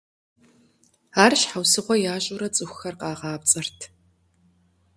Ар щхьэусыгъуэ ящӏурэ цӏыхухэр къагъапцӏэрт.